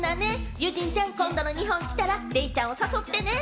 ユジンちゃん、今度日本に来たらデイちゃんを誘ってね。